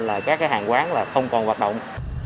là các hàng quán là không còn hoạt động